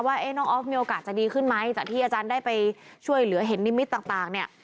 ว่าน้องออฟมีโอกาสจะดีขึ้นไหมจากที่อาจารย์ได้ไปช่วยเหลือเห็นนิมิตต่างเนี่ย